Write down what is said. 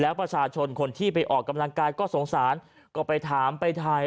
แล้วประชาชนคนที่ไปออกกำลังกายก็สงสารก็ไปถามไปถ่าย